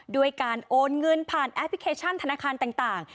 ด้วยการโอนเงินผ่านแอปพลิเคชันธนาคารต่าง